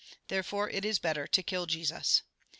Therefore it is better to kill Jesus."